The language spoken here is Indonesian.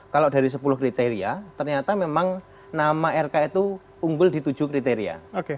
kalau dari sepuluh kriteria ternyata memang nama rk itu unggul di tujuh kriteria